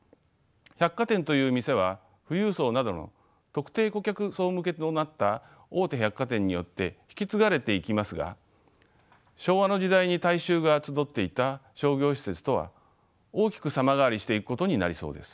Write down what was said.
百貨店という店は富裕層などの特定顧客層向けとなった大手百貨店によって引き継がれていきますが昭和の時代に大衆が集っていた商業施設とは大きく様変わりしていくことになりそうです。